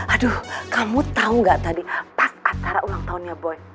aduh kamu tau gak tadi pas acara ulang tahunnya boy